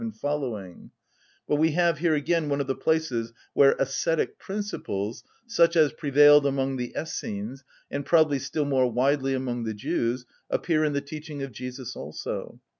_; but we have here again one of the places where ascetic principles, such as prevailed among the Essenes, and probably still more widely among the Jews, appear in the teaching of Jesus also."